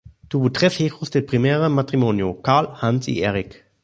Tuvo tres hijos del primer matrimonio: Carl, Hans y Erik.